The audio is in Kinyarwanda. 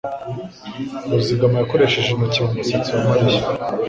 Ruzigama yakoresheje intoki mu musatsi wa Mariya.